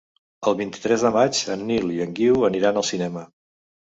El vint-i-tres de maig en Nil i en Guiu aniran al cinema.